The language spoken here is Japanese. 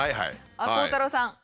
あっ鋼太郎さん。